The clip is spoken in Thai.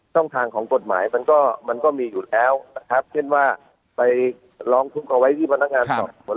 ช่องทางของกฎหมายมันก็มันก็มีอยู่แล้วนะครับเช่นว่าไปร้องทุกข์เอาไว้ที่พนักงานสอบสวน